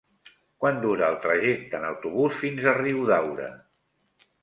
Quant dura el trajecte en autobús fins a Riudaura?